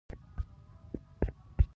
مسلمانان هر کال یوه میاشت روژه نیسي .